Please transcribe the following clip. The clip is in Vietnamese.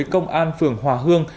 công an phường hòa hương